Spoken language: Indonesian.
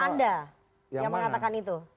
anda yang mengatakan itu